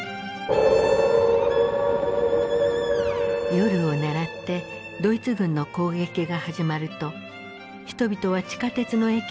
夜を狙ってドイツ軍の攻撃が始まると人々は地下鉄の駅に向かい避難した。